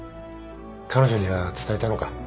彼女には伝えたのか？